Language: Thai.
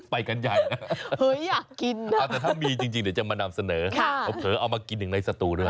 ไปกันใหญ่นะแต่ถ้ามีจริงเดี๋ยวจะมานำเสนอเผลอเอามากินหนึ่งในสตูด้วย